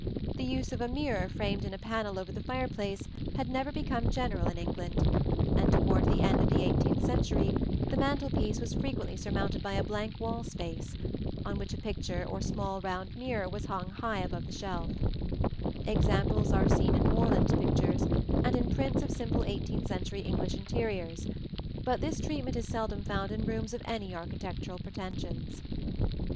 The use of a mirror framed in a panel over the fireplace had never become general in England, and toward the end of the eighteenth century the mantel piece was frequently surmounted by a blank wall space, on which a picture or a small round mirror was hung high above the shelf (see Plate XLVII). Examples are seen in Moreland's pictures, and in prints of simple eighteenth century English interiors; but this treatment is seldom found in rooms of any architectural pretensions.